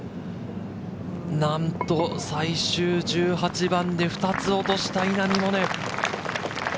なんと最終１８番で２つ落とした稲見萌寧。